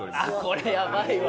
これやばいわ！